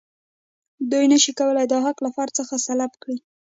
دوی نشي کولای دا حق له فرد څخه سلب کړي.